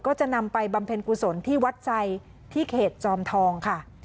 ก็จะนำไปบำเพ็ญกุศลที่วัดไซค์ที่เขตจอมทองค่ะ